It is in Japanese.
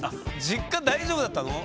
実家大丈夫だったの？